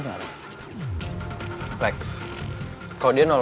lek kalau dia nolongin lo berarti dia ada di bagian lo